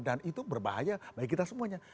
dan itu berbahaya bagi kita semuanya